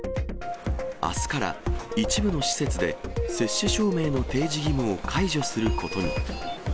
あすから一部の施設で、接種証明の提示義務を解除することに。